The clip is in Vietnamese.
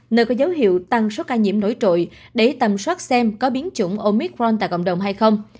nơi có dấu hiệu tăng số ca nhiễm nổi trội để tầm soát xem có biến chủng omicron tại cộng đồng hay không